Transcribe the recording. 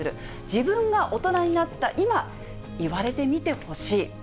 自分が大人になった今、言われてみてほしい。